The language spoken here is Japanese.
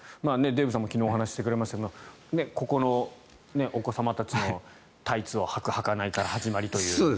デーブさんも昨日お話してくれましたがここのお子様たちのタイツをはくはかないから始まり。